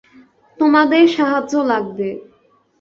তোমাদের সাহায্য লাগবে।